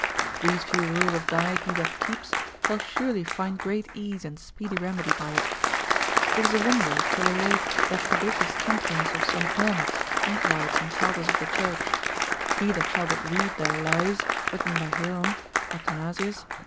These few rules of diet he that keeps, shall surely find great ease and speedy remedy by it. It is a wonder to relate that prodigious temperance of some hermits, anchorites, and fathers of the church: he that shall but read their lives, written by Hierom, Athanasius, &c.